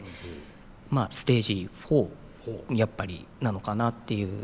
まあステージⅣやっぱりなのかなっていう。